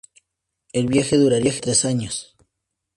El viaje duraría tres años.